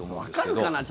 わかるかな？